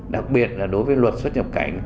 đặc biệt là đối với luật xuất nhập cảnh